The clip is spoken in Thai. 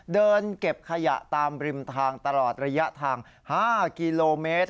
เดินเก็บขยะตามริมทางตลอดระยะทาง๕กิโลเมตร